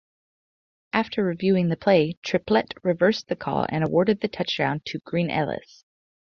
After reviewing the play, Triplette reversed the call and awarded the touchdown to Green-Ellis.